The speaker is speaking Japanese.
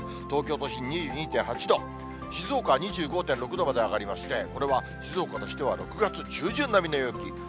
東京都心２２．８度、静岡は２５．６度まで上がりまして、これは静岡としては、６月中旬並みの陽気。